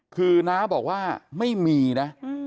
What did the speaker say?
คือน้าบอกว่าไม่มีนะ